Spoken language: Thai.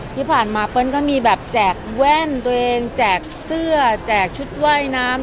ที่ผ่านมาเป้ิ้ลก็จัดแว่นตัวเองจัดเสื้อจัดชุดไหว้น้ำ